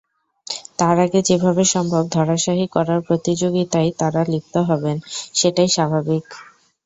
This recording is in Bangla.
তার আগে যেভাবে সম্ভব ধরাশায়ী করার প্রতিযোগিতায় তাঁরা লিপ্ত হবেন, সেটাই স্বাভাবিক।